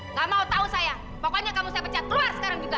nggak mau tau sayang pokoknya kamu saya pecah keluar sekarang juga